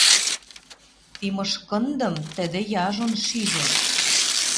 Ти мышкындым тӹдӹ яжон шижӹн.